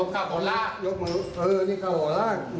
ยกเมือเอ๊ะยกเข้ากอล่า